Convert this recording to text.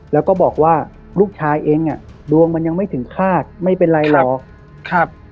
แล้วก็บอกว่าลูกชายเองอ่ะดวงมันยังไม่ถึงคาดไม่เป็นไรหรอกครับ